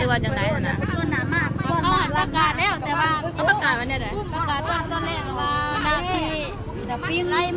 สวัสดีครับ